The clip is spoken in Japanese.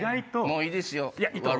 もういいですよ。